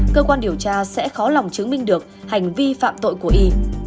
cơ quan điều tra sẽ khó lòng chứng minh được hành vi phạm tội của y